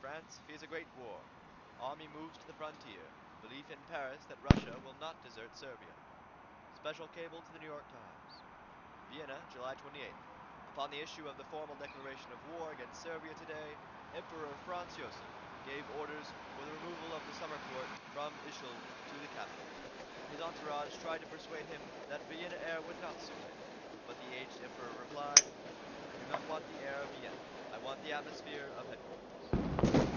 FRANCE FEARS A GREAT WAR Army Moves to the Frontier Belief in Paris That Russia Will Not Desert Servia. Special Cable to The New York Times. VIENNA, July 28 Upon the issue of the formal declaration of war against Servia today Emperor Frans Josef| gave orders for the removal of the Summer Court from Ischl to the capital. His entourage tried to persuade him that Vienna air would not suit him, but the aged Emperor replied: "I do not want the air of Vienna. I want the atmosphere of headquarters."